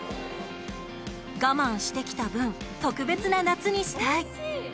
我慢してきた分特別な夏にしたい。